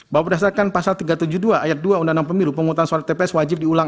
bahwa berdasarkan pasal tiga ratus tujuh puluh dua ayat dua undang undang pemilu pemutusan suara tps wajib diulang